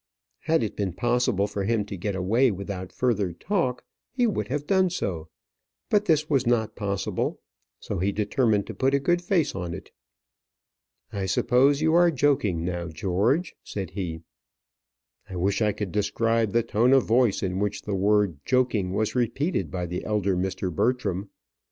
Had it been possible for him to get away without further talk, he would have done so; but this was not possible, so he determined to put a good face on it. "I suppose you are joking now, George," said he. I wish I could describe the tone of voice in which the word joking was repeated by the elder Mr. Bertram.